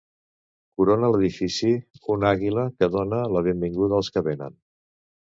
Corona l'edifici, una àguila que dóna la benvinguda als que vénen.